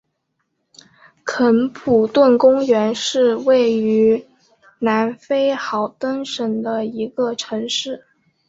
肯普顿公园是位于南非豪登省的一个城市。